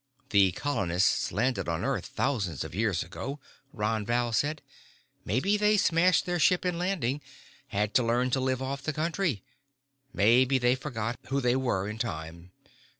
"The colonists landed on earth thousands of years ago," Ron Val said. "Maybe they smashed their ship in landing, had to learn to live off the country. Maybe they forgot who they were, in time.